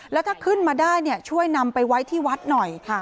แล้วถ้าขึ้นมาได้ช่วยนำไปไว้ที่วัดหน่อยค่ะ